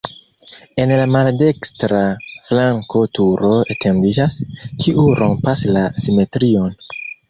En la maldekstra flanko turo etendiĝas, kiu rompas la simetrion.